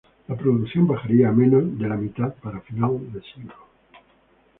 La producción bajaría a menos de la mitad para final de siglo.